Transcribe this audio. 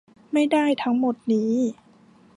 ไม่ได้ทั้งหมดนี้